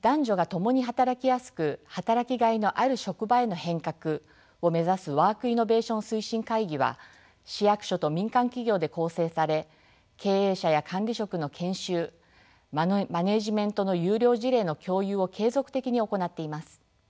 男女が共に働きやすく働きがいのある職場への変革を目指すワークイノベーション推進会議は市役所と民間企業で構成され経営者や管理職の研修マネージメントの優良事例の共有を継続的に行っています。